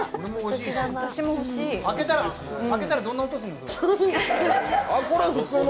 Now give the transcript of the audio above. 開けたらどんな音するの？